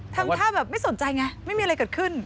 ทำท่าแบบไม่สนใจไงไม่มีอะไรเกิดขึ้น